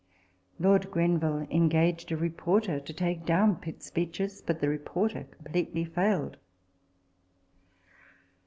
Lord Grenville engaged a reporter to take down Pitt's speeches ; but the reporter completely failed.